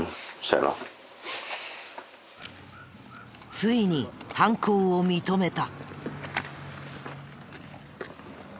ついに犯行を認めた。